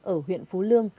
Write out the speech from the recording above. ở huyện phú lương